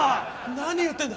何言ってるんだ！